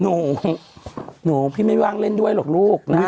หนูหนูพี่ไม่ว่างเล่นด้วยหรอกลูกนะ